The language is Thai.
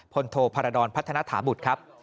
พลโทพารดรพัฒนาถาบุตรครับ